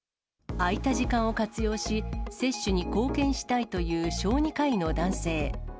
空いた時間を活用し、接種に貢献したいという小児科医の男性。